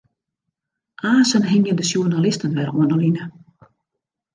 Aansten hingje de sjoernalisten wer oan 'e line.